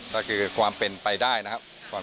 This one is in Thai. ก็คือความเป็นไปได้นะครับ